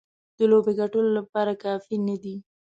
د لوبې ګټلو لپاره کافي نه دي.